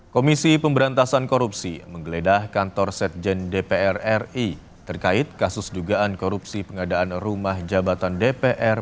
komisi pemberantasan korupsi menggeledah kantor sekjen dpr ri terkait kasus dugaan korupsi pengadaan rumah jabatan dpr